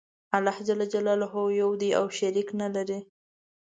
الله ج یو دی او شریک نلری.